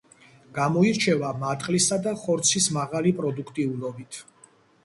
გამოირჩევა მატყლისა და ხორცის მაღალი პროდუქტიულობით.